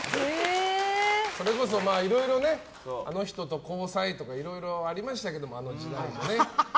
それこそ、いろいろあの人と交際とかいろいろありましたけどねあの時代。